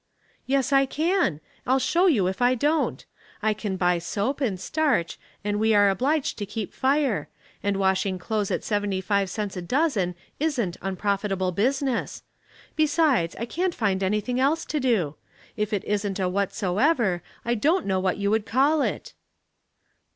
" Yes, I can. I'll show you if I don't. I can buy soap and starch, and we are obliged to keep fire ; and washing clothes at seventy five cents a dozen isn't unprofitable business. Besides, I can't find anything else to do. If it isn't a ' whatsoever,' I don't know what you would call it."